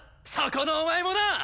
そこのお前もな！